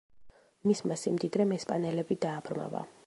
მისმა სიმდიდრემ ესპანელები დააბრმავა.